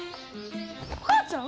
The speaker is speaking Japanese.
お母ちゃん？